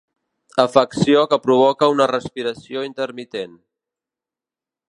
Afecció que provoca una respiració intermitent.